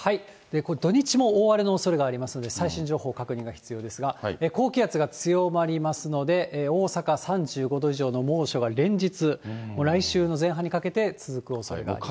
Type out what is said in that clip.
土日も大荒れのおそれがありますので、最新情報確認が必要ですが、高気圧が強まりますので、大阪３５度以上の猛暑が連日、来週の前半にかけて続くおそれがあります。